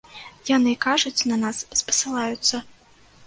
Яны кажуць, на нас спасылаюцца.